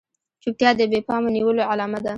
چوپتيا د بې پامه نيولو علامه ده.